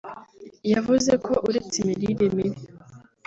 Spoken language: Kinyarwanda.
yavuze ko uretse imirire mibi